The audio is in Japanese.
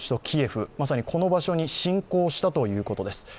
キエフ、まさにこの場所に侵攻したということです。